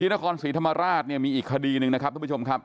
พี่นครศรีธรรมราชมีอีกคดีนึงนะครับทุกผู้ชมครับ